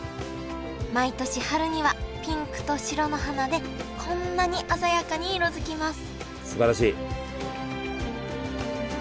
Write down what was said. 毎年春にはピンクと白の花でこんなに鮮やかに色づきますすばらしい！